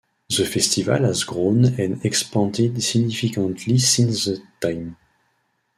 The festival has grown and expanded significantly since that time.